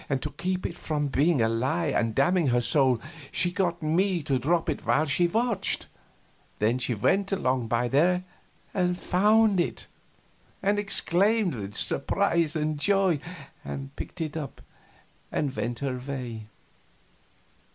To keep it from being a lie and damning her soul, she got me to drop it while she watched; then she went along by there and found it, and exclaimed with surprise and joy, and picked it up and went her way.